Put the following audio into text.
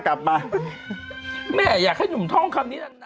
อ้าวไอ้ผีกูจะไปรู้เรื่องก็ได้ยังไง